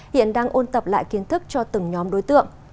hiện đang ôn tập lại kiến thức cho từng nhóm đối tượng